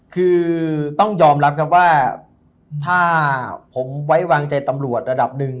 คือต้องยอมรับครับว่าถ้าผมไว้วางใจตำรวจระดับหนึ่ง